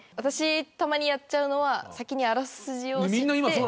たまにやっちゃうのは先にあらすじを知って。